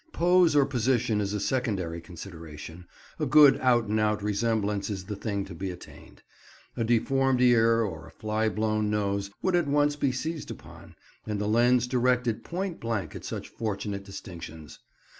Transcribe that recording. Pose or position is a secondary consideration, a good out and out resemblance is the thing to be attained; a deformed ear, or a fly blown nose, would at once be seized upon, and the lens directed point blank at such fortunate distinctions.